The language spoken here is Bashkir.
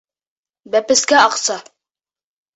Бәпескә аҡса